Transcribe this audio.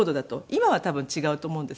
今は多分違うと思うんですけど。